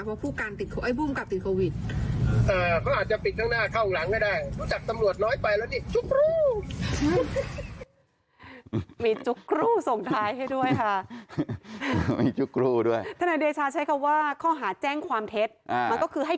เพราะผู้กันติดไอ้บูมกลับติดโควิดเอ่อเขาอาจจะปิดทางหน้าเข้าข้างหลังก็ได้